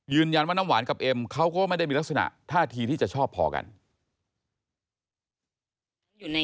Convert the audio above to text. น้ำหวานกับเอ็มเขาก็ไม่ได้มีลักษณะท่าทีที่จะชอบพอกัน